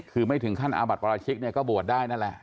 คือไม่ถึงขั้นอาบัติปราชิกเนี่ยก็บวชได้นั่นแหละ